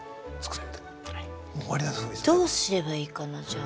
どうすればいいかなじゃあ。